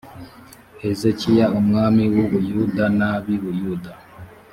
hezekiya umwami w u buyuda n ab i buyuda